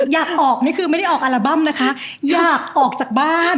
อยากออกนี่คือไม่ได้ออกอัลบั้มนะคะอยากออกจากบ้าน